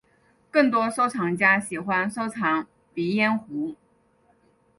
更多收藏家喜欢收藏鼻烟壶。